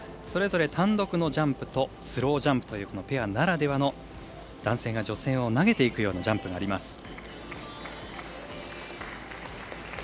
それぞれ単独のジャンプとスロージャンプというペアならではの男性が女性を投げていくようなジャンプがあります。